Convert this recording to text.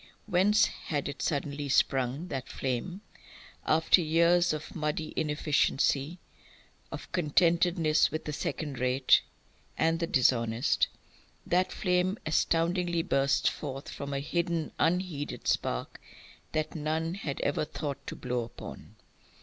Whence had it suddenly sprung, that flame? After years of muddy inefficiency, of contentedness with the second rate and the dishonest, that flame astoundingly bursts forth, from a hidden, unheeded spark that none had ever thought to blow upon.